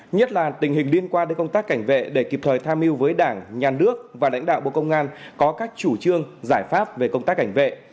nhất là tình hình liên quan đến công tác cảnh vệ để kịp thời tham mưu với đảng nhà nước và lãnh đạo bộ công an có các chủ trương giải pháp về công tác cảnh vệ